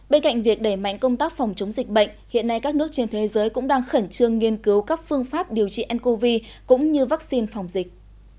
bên cạnh việc đẩy mạnh công tác phòng chống dịch bệnh hiện nay các nước trên thế giới cũng đang khẩn trương nghiên cứu các phương pháp điều trị ncov cũng như vaccine phòng dịch